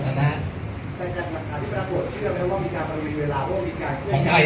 ของใคร